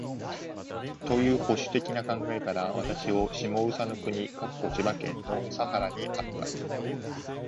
という保守的な考えから、私を下総国（千葉県）の佐原にあった